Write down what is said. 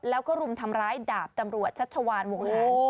แล้วก็รุมทำร้ายดาบตำรวจชัชวานวงหาร